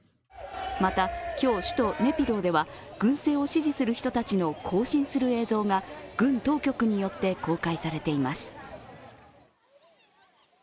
また今日、首都ネピドーでは軍政を支持する人たちが行進する映像が軍当局によって公開されています。